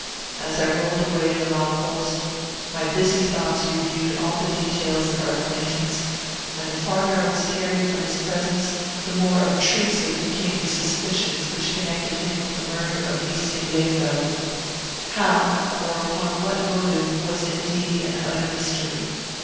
As I rolled away in the Malleposte, my busy thoughts reviewed all the details of our acquaintance, and the farther I was carried from his presence, the more obtrusive became the suspicions which connected him with the murder of Lieschen Lehfeldt. How, or upon what motive, was indeed an utter mystery.